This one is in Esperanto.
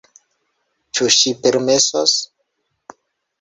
Ĉu ŝi permesos,?